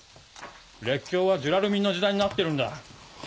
列強はジュラルミンの時代になってるんだ。